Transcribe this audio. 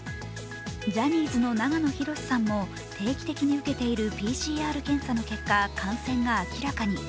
ジャニーズの長野博さんも定期的に受けているＰＣＲ検査の結果感染が明らかに。